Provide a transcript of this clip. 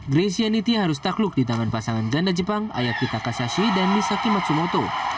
grecia nitya harus takluk di tangan pasangan ganda jepang ayaki takasashi dan misaki matsumoto